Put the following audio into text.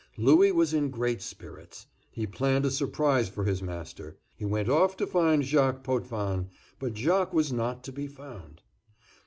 Louis was in great spirits. He planned a surprise for his master. He went off to find Jacques Potvin, but Jacques was not to be found.